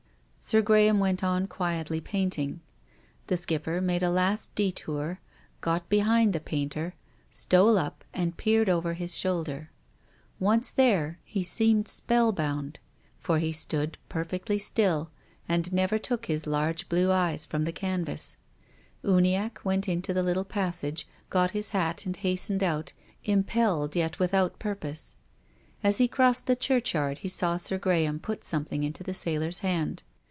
Sir Graham went on quietly painting. The Skipper made a last detour, got behind the painter, stole up and peered over his shoulder. Once there, he seemed spellbound. For he stood perfectly still and never THE GRAVE. 87 took his large blue eyes from the canvas. Uniacke went into the little passage, got his hat and hast ened out, impelled yet without purpose. As he crossed the churchyard he saw Sir Graham put something into the sailor's hand.